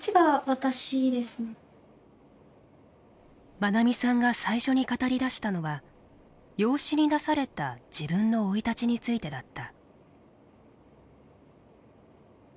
まなみさんが最初に語りだしたのは養子に出された自分の生い立ちについてだった。